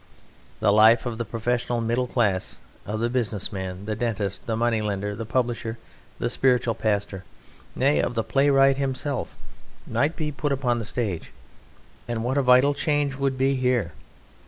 The life of the professional middle class, of the business man, the dentist, the money lender, the publisher, the spiritual pastor, nay of the playwright himself, might be put upon the stage and what a vital change would be here!